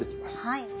はい。